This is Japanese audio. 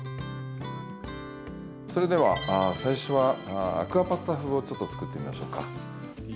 それでは最初はアクアパッツァ風をちょっと作ってみましょうか。